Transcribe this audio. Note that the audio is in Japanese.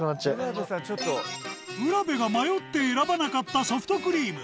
卜部が迷って選ばなかったソフトクリーム。